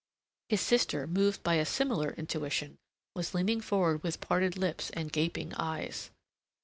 His sister, moved by a similar intuition, was leaning forward with parted lips and gaping eyes.